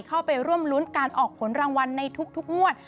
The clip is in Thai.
เข้าไปร่วมรุ้นการออกผลรางวัลในทุกงวด